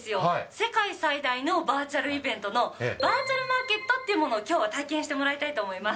世界最大のバーチャルイベントのバーチャルマーケットっていうものをきょうは体験してもらいたいと思います。